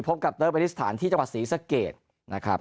พบกับเตอร์เบนิสถานที่จังหวัดศรีสะเกดนะครับ